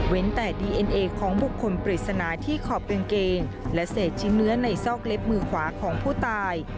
แต่ดีเอ็นเอของบุคคลปริศนาที่ขอบกางเกงและเศษชิ้นเนื้อในซอกเล็บมือขวาของผู้ตาย